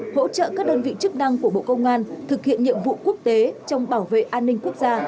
hỗ trợ các đơn vị chức năng của bộ công an thực hiện nhiệm vụ quốc tế trong bảo vệ an ninh quốc gia